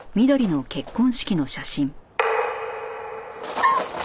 あっ！